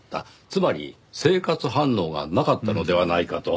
つまり生活反応がなかったのではないかと。